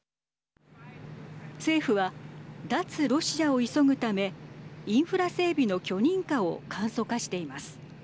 政府は脱ロシアを急ぐためインフラ整備の許認可を簡素化しています。